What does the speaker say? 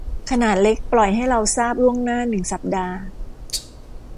ขนาดเล็กปล่อยให้เราทราบล่วงหน้าหนึ่งสัปดาห์